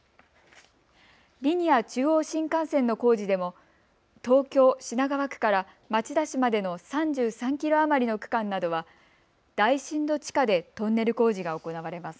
リニア中央新幹線の工事でも東京品川区から町田市までの３３キロ余りの区間などは大深度地下でトンネル工事が行われます。